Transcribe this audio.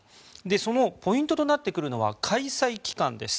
そのポイントとなってくるのは開催期間です。